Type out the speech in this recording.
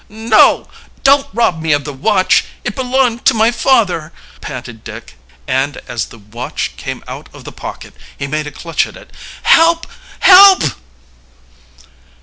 "No! Don't rob me of the watch! It belonged to my father!" panted Dick, and as the watch came out of the pocket he made a clutch at it. "Help! help!"